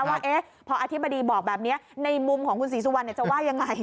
ว่าพออธิบดีบอกแบบนี้ในมุมของคุณศรีสุวรรณจะว่ายังไง